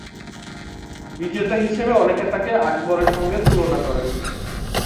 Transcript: বিজেতা হিসাবে অনেকে তাকে আকবরের সঙ্গে তুলনা করেন।